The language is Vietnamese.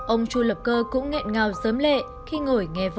ông chu lập cơ cũng nghẹn ngào giớm lệ khi ngồi nghe vô